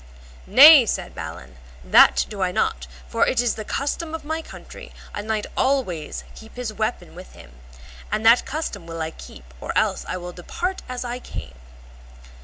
Nay, said Balin, that do I not, for it is the custom of my country a knight always to keep his weapon with him, and that custom will I keep, or else I will depart as I came.